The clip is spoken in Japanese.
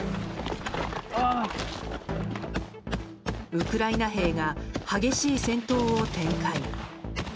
ウクライナ兵が激しい戦闘を展開。